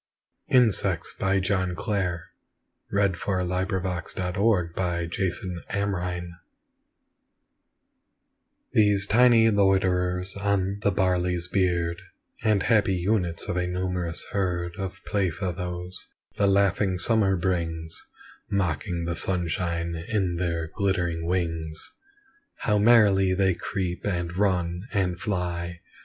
his hair to grey, Yet leaves him happy as a child at play. Insects These tiny loiterers on the barley's beard, And happy units of a numerous herd Of playfellows, the laughing Summer brings, Mocking the sunshine in their glittering wings, How merrily they creep, and run, and fly!